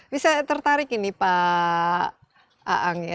bisa tertarik ini pak aang ya